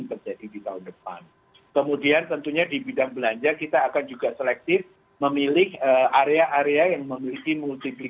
kasihan indonesia newsroom akan segera kembali